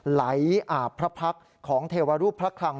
ไหลอาบพระพักษ์ของเทวรูปพระคลัง